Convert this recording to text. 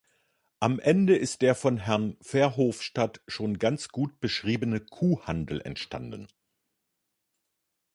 Am Ende ist der von Herrn Verhofstadt schon ganz gut beschriebene Kuhhandel entstanden.